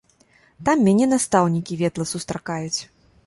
Там мяне настаўнікі ветла сустракаюць.